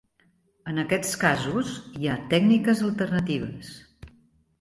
En aquests casos, hi ha tècniques alternatives.